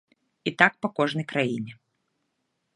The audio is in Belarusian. І так па кожнай краіне.